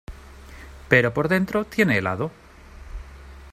pero por dentro tiene helado.